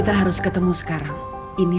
mudah aja pergi bu